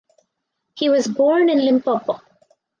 He was born in Limpopo.